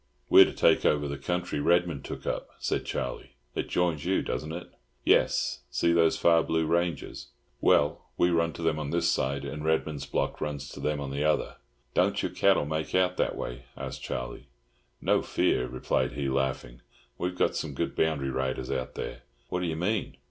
"We're to take over the country Redman took up," said Charlie. "It joins you doesn't it?" "Yes. See those far blue ranges? Well, we run to them on this side, and Redman's block runs to them on the other." "Don't your cattle make out that way?" asked Charlie. "No fear," replied he, laughing. "We've some good boundary riders out there." "What do you mean?"